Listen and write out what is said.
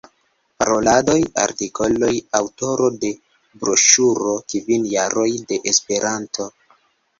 Paroladoj, artikoloj; aŭtoro de broŝuro Kvin jaroj de Esperanto.